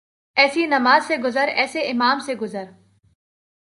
ایسی نماز سے گزر ایسے امام سے گزر